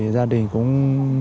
gia đình cũng